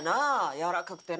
やわらかくてな。